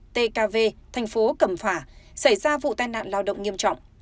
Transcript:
tkv thành phố cẩm phả xảy ra vụ tai nạn lao động nghiêm trọng